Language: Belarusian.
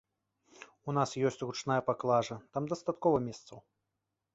У нас ёсць ручная паклажа, там дастаткова месцаў.